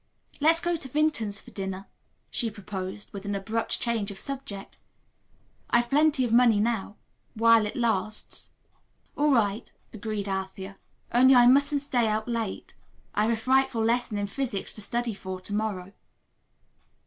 "Let's go to Vinton's for dinner," she proposed, with an abrupt change of subject. "I've plenty of money now while it lasts." "All right," agreed Althea, "only I mustn't stay out late. I've a frightful lesson in physics to study for to morrow."